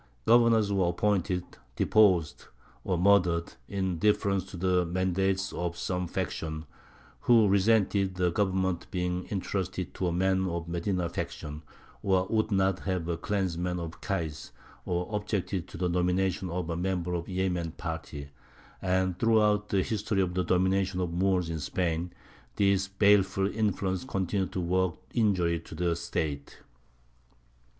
Governors were appointed, deposed, or murdered, in deference to the mandates of some faction, who resented the government being entrusted to a man of the Medīna faction, or would not have a clansman of Kays, or objected to the nomination of a member of the Yemen party; and, throughout the history of the domination of the Moors in Spain, these baleful influences continued to work injury to the State.